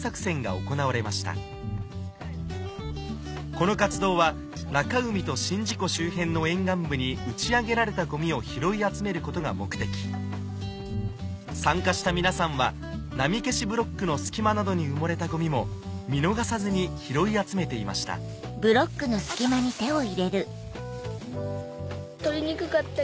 この活動は中海と宍道湖周辺の沿岸部に打ち上げられたゴミを拾い集めることが目的参加した皆さんは波消しブロックの隙間などに埋もれたゴミも見逃さずに拾い集めていましたあった！